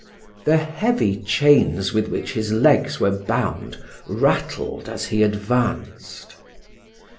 The heavy chains with which his legs were bound, rattled as he advanced.